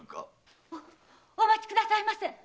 お待ちくださいませ。